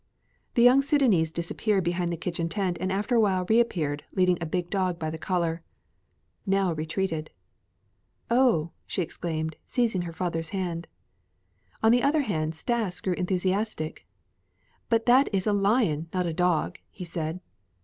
The young Sudânese disappeared behind the kitchen tent and after a while reappeared, leading a big dog by the collar. Nell retreated. "Oh," she exclaimed, seizing her father's hand. On the other hand, Stas grew enthusiastic. "But that is a lion, not a dog," he said.